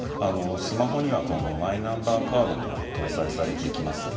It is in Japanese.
スマホには今後マイナンバーカードも搭載されていきます。